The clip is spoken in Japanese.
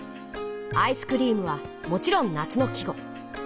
「アイスクリーム」はもちろん夏の季語。